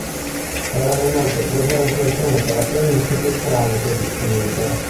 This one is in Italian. Erano inoltre presenti alcune caratteristiche craniche distinte.